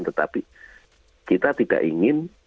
tetapi kita tidak ingin